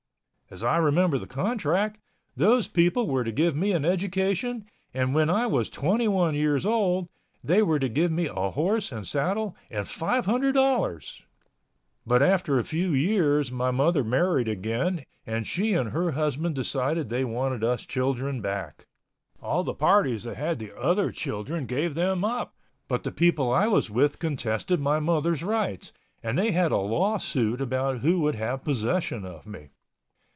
As I remember the contract, those people were to give me an education and when I was twenty one years old, they were to give me a horse and saddle and $500.00. But after a few years my mother married again and she and her husband decided they wanted us children back. All the parties that had the other children gave them up, but the people I was with contested my mother's rights, and they had a law suit about who would have possession of me.